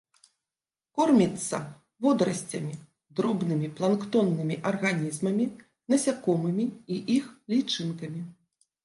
Корміцца водарасцямі, дробнымі планктоннымі арганізмамі, насякомымі і іх лічынкамі.